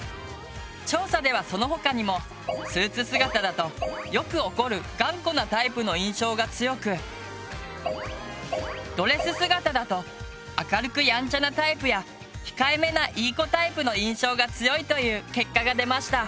調査ではその他にもスーツ姿だとよく怒る頑固なタイプの印象が強くドレス姿だと明るくやんちゃなタイプや控えめないい子タイプの印象が強いという結果が出ました！